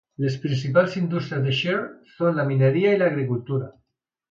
Les principals indústries de Shire són la mineria i l'agricultura.